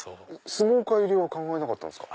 相撲界入りは考えなかったですか。